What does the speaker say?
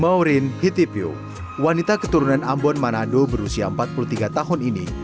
maureen hitipiu wanita keturunan ambon manando berusia empat puluh tiga tahun ini